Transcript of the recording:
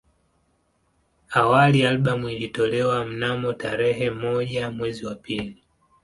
Awali albamu ilitolewa mnamo tarehe moja mwezi wa pili